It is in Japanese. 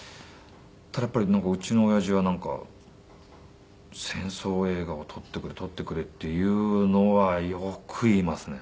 ただやっぱりうちの親父はなんか「戦争映画を撮ってくれ撮ってくれ」っていうのはよく言いますね。